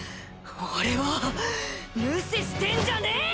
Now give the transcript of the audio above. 俺を無視してんじゃねえよ！